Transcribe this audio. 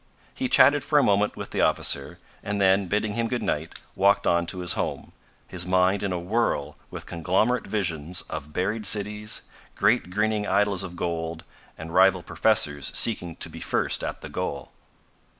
He chatted for a moment with the officer, and then, bidding him good night, walked on to his home, his mind in a whirl with conglomerate visions of buried cities, great grinning idols of gold, and rival professors seeking to be first at the goal.